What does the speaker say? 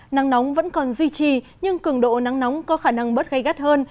nắng nóng vẫn còn duy trì nhưng cường độ nắng nóng có khả năng bớt gây gắt hơn